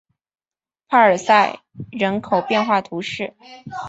帕尔塞人口变化图示